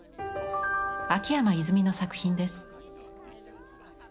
秋山泉の作品です。